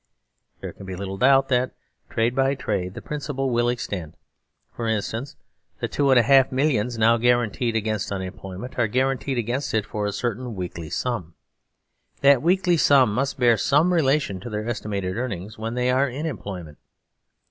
There can be little doubt that, trade by trade, the 170 SERVILE STATE HAS BEGUN principle will extend. For instance, the two and a half millions now guaranteed against unemployment are guaranteed against it for a certain weekly sum. That weekly sum must bear some relation to their es timated earnings when they are in employment.